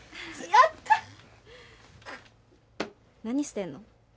何してんの？